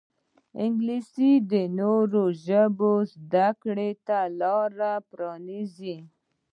انګلیسي د نورو ژبو زده کړې ته لاره پرانیزي